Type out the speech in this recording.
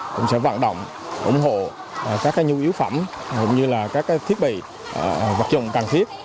cũng sẽ vạn động ủng hộ các nhu yếu phẩm cũng như các thiết bị vật dụng cần thiết